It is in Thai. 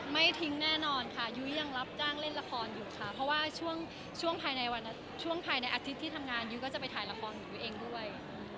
ไม่ทิ้งแน่นอนค่ะยุ้ยยังรับจ้างเล่นละครอยู่ค่ะเพราะว่าช่วงภายในวันช่วงภายในอาทิตย์ที่ทำงานยุ้ยก็จะไปถ่ายละครของยุ้ยเองด้วย